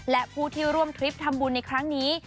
และผู้ที่ร่วมทริปทำบุญในครั้งนี้